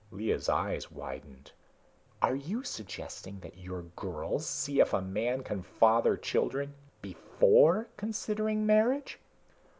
Lea's eyes widened. "Are you suggesting that your girls see if a man can father children before considering marriage?"